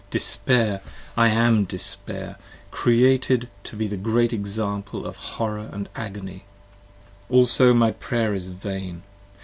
Despair! I am Despair Created to be the great example of horror & agony : also my Prayer is vain.